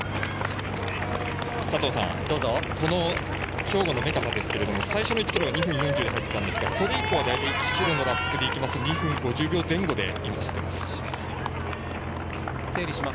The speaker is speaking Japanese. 佐藤さん、兵庫の目片ですが最初の１ｋｍ２分４０で入りましたがそれ以降は大体１ｋｍのラップでいきますと２分５０秒前後で走っています。